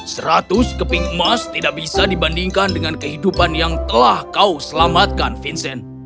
seratus keping emas tidak bisa dibandingkan dengan kehidupan yang telah kau selamatkan vincent